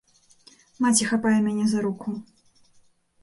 Маці хапае мяне за руку.